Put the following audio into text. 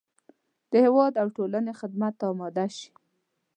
د هېواد او ټولنې خدمت ته اماده شي.